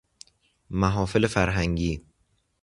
محافل فرهنگی